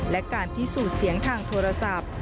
และการพิสูจน์เสียงทางโทรศัพท์